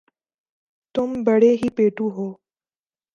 تم بڑے ہی پیٹُو ہو